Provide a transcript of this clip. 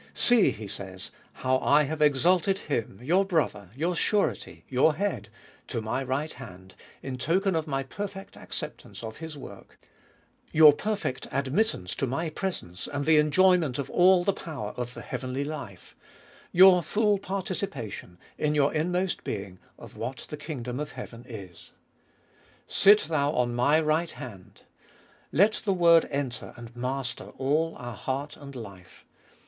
See, He says, how I have exalted Him, your Brother, your Surety, your Head, to my right hand, in token of My perfect acceptance of His work ; your perfect admittance to My presence and the enjoyment of all the power of the heavenly life ; your full participation, in your inmost being, of what the kingdom of heaven is. Sit thou on My right hand: let the word enter and master all our heart and life.